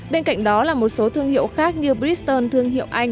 bên cạnh đó là một số thương hiệu khác như bristone thương hiệu anh